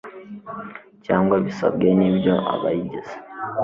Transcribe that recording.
cyangwa bisabwe ni by abayigize